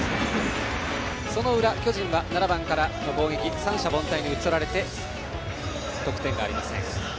その裏、巨人は７番からの攻撃を三者凡退に打ち取られて得点がありません。